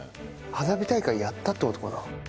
花火大会やったって事かな？